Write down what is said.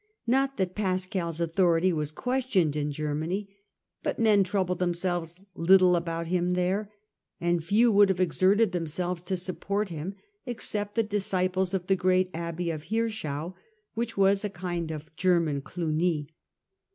Not that Pascal's authority was questioned in Germany, but men troubled themselves little about him there, and few would have exerted themselves to support him except the disciples of the great Abbey of Hirschau, which was a kind of German Clugny.